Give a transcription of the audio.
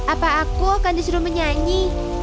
apa aku akan disuruh menyanyi